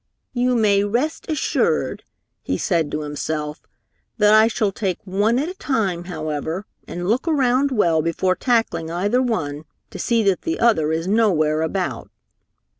"You may rest assured," he said to himself, "that I shall take one at a time, however, and look around well before tackling either one, to see that the other is nowhere about."